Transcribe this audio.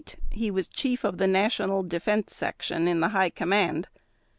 From 1935 to 1938 he was Chief of the National Defense Section in the High Command.